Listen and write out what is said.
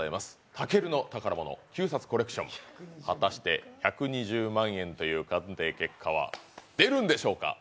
たけるの宝物、旧札コレクション、果たして１２０万円という鑑定結果は出るんでしょうか？